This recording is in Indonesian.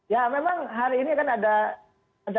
ya memang hari ini kan ada